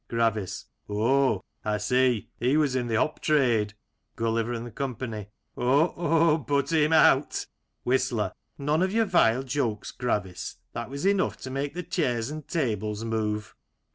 Gravis : Oh ! I see, he was in the hop trade. Gulliver and the Company : Oh, o — h — ^put him out. Whistler: None of your vile jokes, Gravis, that was enough to make the chairs and tables move.